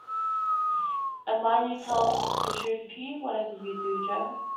And mind you tell us the truth here, whatever you do, Jo.